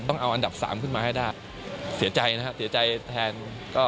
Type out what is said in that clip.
ต้องเอาอันดับสามขึ้นมาให้ได้เสียใจนะฮะเสียใจแทนก็